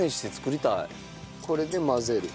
これで混ぜる。